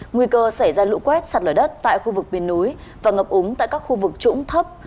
nguy cơ xảy ra lũ quét sạt lở đất tại khu vực miền núi và ngập úng tại các khu vực trũng thấp